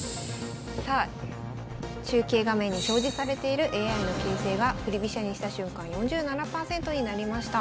さあ中継画面に表示されているＡＩの形勢は振り飛車にした瞬間４７％になりました。